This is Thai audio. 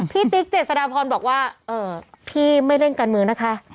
พี่ติ๊กเจ็ดสดาพรบอกว่าเอ่อพี่ไม่เล่นกันมือนะคะ